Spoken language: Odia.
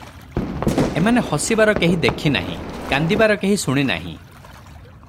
ଏମାନେ ହସିବାର କେହି ଦେଖି ନାହିଁ, କାନ୍ଦିବାର କେହି ଶୁଣି ନାହିଁ ।